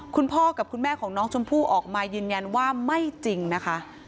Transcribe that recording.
คุณพ่อกับคุณแม่ของน้องชมพู่ออกมายืนยันว่าไม่จริงนะคะ